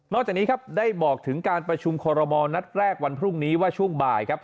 จากนี้ครับได้บอกถึงการประชุมคอรมอลนัดแรกวันพรุ่งนี้ว่าช่วงบ่ายครับ